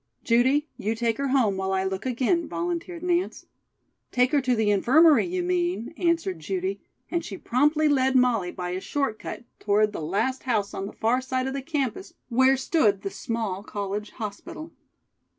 "Judy, you take her home while I look again," volunteered Nance. "Take her to the infirmary, you mean," answered Judy, and she promptly led Molly by a short cut toward the last house on the far side of the campus, where stood the small college hospital.